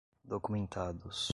documentados